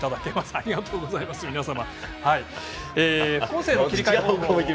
ありがとうございます、皆様。